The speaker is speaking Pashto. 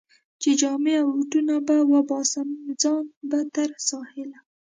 چې جامې او بوټونه به وباسم، ځان به تر ساحله.